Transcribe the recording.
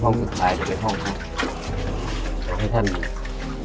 ห้องสุดท้ายจะเป็นให้ท่านเห็น